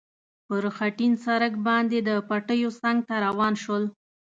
پر خټین سړک باندې د پټیو څنګ ته روان شول.